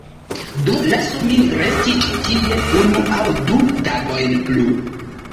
Do lasu min resti ĉi tie unu aŭ du tagojn plu.